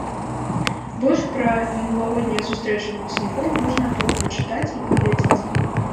Больш пра мінулагоднія сустрэчы выпускнікоў можна тут пачытаць і паглядзець.